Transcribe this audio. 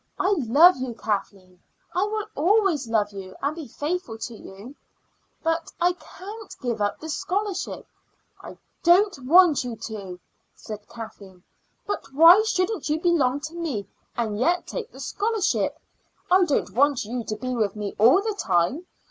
I love you. Kathleen I will always love you and be faithful to you but I can't give up the scholarship." "I don't want you to," said Kathleen; "but why shouldn't you belong to me and yet take the scholarship? I don't want you to be with me all the time.